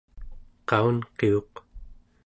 qaunqiuq